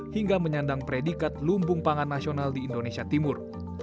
hingga menyandang predikat lumbung pangan nasional di indonesia timur